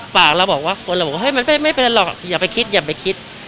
ฝากเราบอกว่าคนเราบอกว่าเฮ้ยมันไม่เป็นหรอกอย่าไปคิดอย่าไปคิด